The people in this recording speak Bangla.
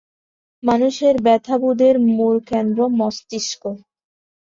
মানুষের ব্যাথাবোধের মূল কেন্দ্র মস্তিষ্ক।